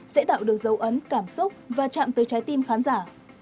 sẽ tạo được dấu ấn cảm xúc và chạm tới trái tim khán giả